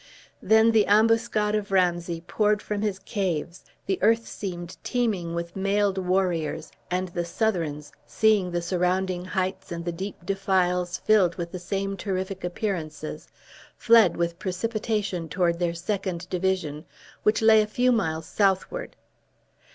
Then the ambuscade of Ramsay poured from his caves, the earth seemed teeming with mailed warriors, and the Southrons, seeing the surrounding heights and the deep defiles filled with the same terrific appearances, fled with precipitation toward their second division, which lay a few miles southward.